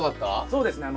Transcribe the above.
そうですね。